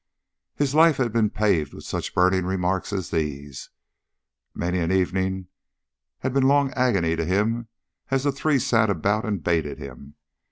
His life had been paved with such burning remarks as these. Many an evening had been long agony to him as the three sat about and baited him.